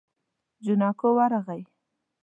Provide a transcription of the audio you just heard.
جانکو ورغی.